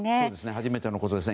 初めてのことですね。